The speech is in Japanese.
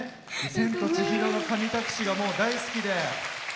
「千と千尋の神隠し」が大好きで。